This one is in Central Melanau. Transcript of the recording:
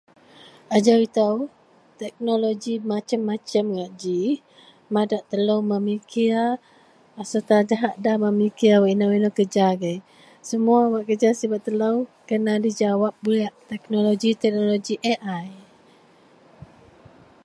Ajau itou teknoloji masem-masem ngak ji. Madak telou memikir sereta jahak nda memikir inou-inou kereja agei. Semuwa wak kereja sibet telou kena dijawab buyak teknoloji-teknoloji, ji teknoloji AI